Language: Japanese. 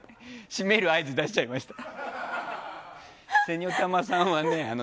閉める合図出しちゃいました。